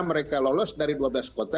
mereka lolos dari dua belas kota